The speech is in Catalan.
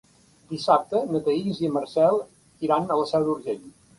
Dissabte na Thaís i en Marcel iran a la Seu d'Urgell.